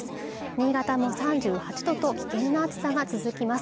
新潟も３８度と危険な暑さが続きます